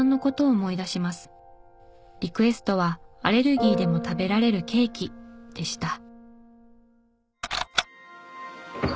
リクエストはアレルギーでも食べられるケーキでした。